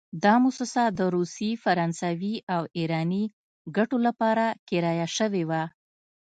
دا موسسه د روسي، فرانسوي او ایراني ګټو لپاره کرایه شوې وه.